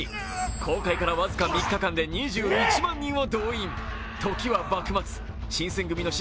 公開から僅か３日間で２１万人を動員。